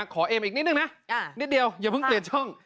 เอมอีกนิดนึงนะนิดเดียวอย่าเพิ่งเปลี่ยนช่อง